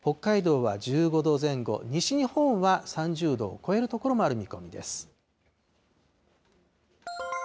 北海道は１５度前後、西日本は３０度を超える所もある見込みです。